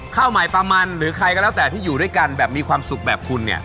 ข้าวใหม่ปลามันหรือใครก็แล้วแต่ที่อยู่ด้วยกันแบบมีความสุขแบบคุณเนี่ย